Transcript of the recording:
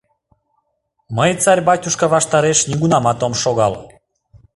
— Мый царь-батюшка ваштареш нигунамат ом шогал.